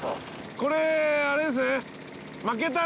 これあれですね。